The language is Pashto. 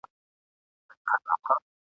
په نصیب یې وي مېلې د جنتونو ..